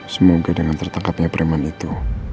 semoga dengan tertangkapnya preman itu